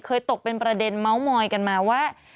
ตกเป็นประเด็นเมาส์มอยกันมาว่า